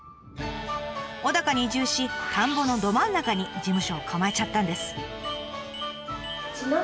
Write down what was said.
小高に移住し田んぼのど真ん中に事務所を構えちゃったんです。